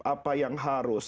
apa yang harus